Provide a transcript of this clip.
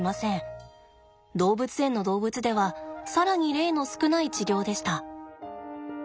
動物園の動物では更に例の少ない治療でした。